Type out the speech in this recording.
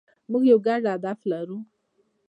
موږ یو ګډ هدف لرو.